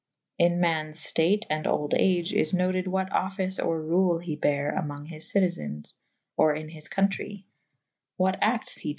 In mannes ftate and olde age is noted what office or rule he bare among his citifens / or in his contrey / what actes he dyd / 'B.